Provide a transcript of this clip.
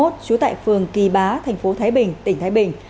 trú tại phường kỳ bá thành phố thái bình tỉnh thái bình